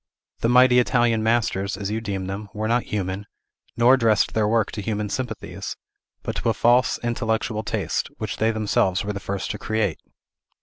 The mighty Italian masters, as you deem them, were not human, nor addressed their work to human sympathies, but to a false intellectual taste, which they themselves were the first to create.